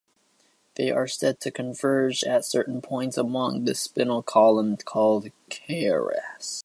They are said to converge at certain points along the spinal column called chakras.